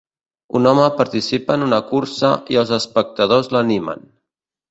Un home participa en una cursa i els espectadors l'animen.